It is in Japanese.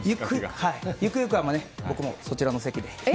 ゆくゆくは、僕もそちらの席で。